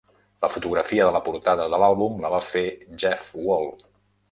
La fotografia de la portada de l'àlbum la va fer Jeff Wall.